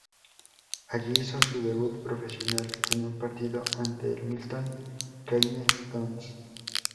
Allí hizo su debut profesional en un partido ante el Milton Keynes Dons.